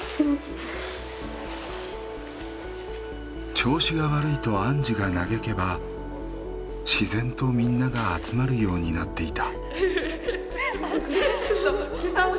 「調子が悪い」とアンジュが嘆けば自然とみんなが集まるようになっていた。